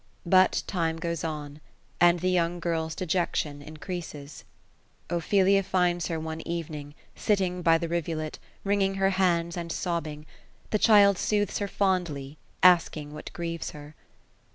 But time goes on ; and the young girVs dejection increases. Ophelia 216 OPHELIA ; finds her one evening, sitting bj the rivulet, wringing her hands, and sobbing. The child soothes her fondly ; asking what grieves her.